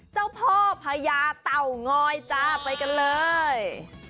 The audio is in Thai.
เจ้าพ่อพญาเต่างอยจ้าไปกันเลย